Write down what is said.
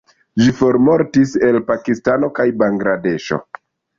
Ĝi formortis el Pakistano kaj Bangladeŝo.